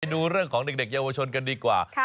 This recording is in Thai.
ดูเรื่องของเด็กเยาวชนกันดีกว่า